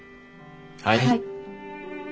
はい。